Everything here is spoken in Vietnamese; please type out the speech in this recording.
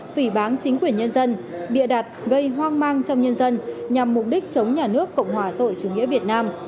phỉ bán chính quyền nhân dân bịa đặt gây hoang mang trong nhân dân nhằm mục đích chống nhà nước cộng hòa rồi chủ nghĩa việt nam